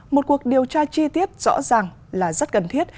một cuộc điều tra chi tiết rõ ràng là rất cần thiết